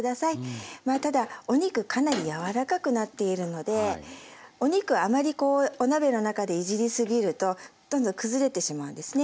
ただお肉かなり柔らかくなっているのでお肉をあまりお鍋の中でいじり過ぎるとどんどん崩れてしまうんですね。